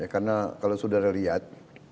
karena kalau sudah lihat